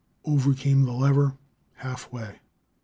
Over came the lever, halfway.